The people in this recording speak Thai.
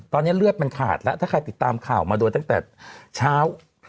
ตอนนี้เลือดมันขาดแล้วถ้าใครติดตามข่าวมาโดยตั้งแต่เช้า